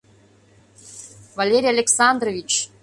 — Валерий Александрович!..